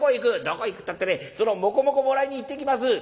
「どこへ行くったってねそのもこもこもらいに行ってきます」。